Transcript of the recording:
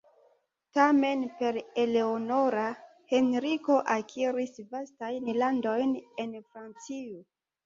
Tamen per Eleonora, Henriko akiris vastajn landojn en Francio.